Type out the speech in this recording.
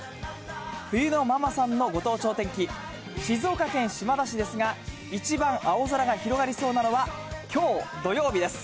ふゆのままさんのご当地お天気、静岡県島田市ですが、一番青空が広がりそうなのは、きょう、土曜日です。